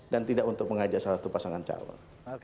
dan tidak untuk mengajak salah satu pasangan calon